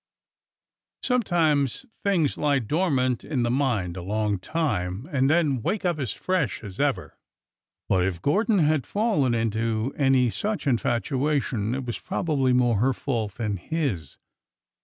Sometimes things lie dor mant in the mind a long time and then wake up as fresh as ever. But if Gordon had fallen into any such infatuation, it was probably more her fault than his.